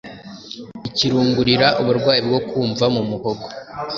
Ikirungurira: uburwayi bwo kumva mu muhogo